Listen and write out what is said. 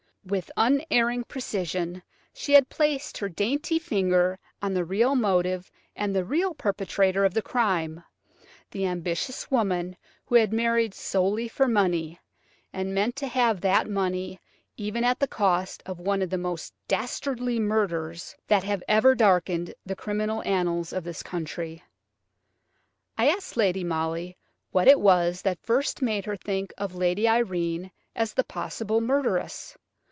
With unerring precision she had placed her dainty finger on the real motive and the real perpetrator of the crime–the ambitious woman who had married solely for money, and meant to have that money even at the cost of one of the most dastardly murders that have ever darkened the criminal annals of this country. I asked Lady Molly what it was that first made her think of Lady Irene as the possible murderess.